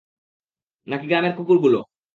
নাকি গ্রামের কুকুরগুলো?